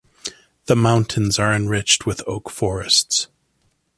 The mountains are enriched with oak forests.